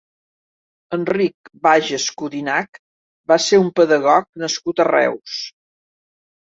Enric Bages Codinach va ser un pedagog nascut a Reus.